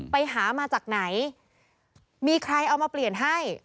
ไปหามาจากไหนมีใครเอามาเปลี่ยนให้